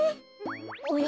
おや？